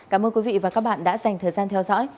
cảm ơn quý vị và các bạn đã dành thời gian theo dõi